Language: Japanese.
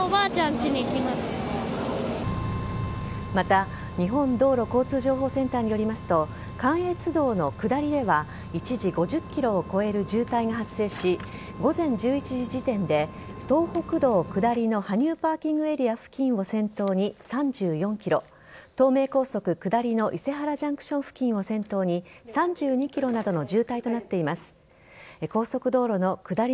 また日本道路交通情報センターによりますと関越道の下りでは一時５０ｋｍを超える渋滞が発生し午前１１時時点で東北道下りの羽生パーキングエリア付近を先頭に３４ｋｍ東名高速下りのエンゼルスの大谷翔平選手は今日からカージナルス戦。